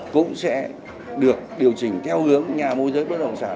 cũng sẽ được điều chỉnh theo hướng nhà môi giới bất động sản